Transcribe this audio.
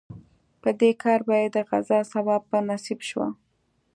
په دې کار به یې د غزا ثواب په نصیب شو.